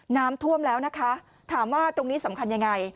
น้ำท่วมแล้วนะคะถามว่าตรงนี้สำคัญยังไง